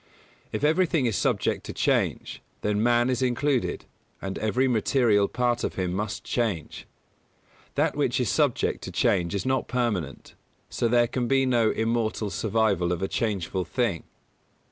If everything is subject to change, then man is included, and every material part of him must change. That which is subject to change is not permanent: so there can be no immortal survival of a changeful thing.